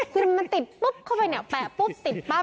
คือมันติดปุ๊บเข้าไปเนี่ยแปะปุ๊บติดปั๊บ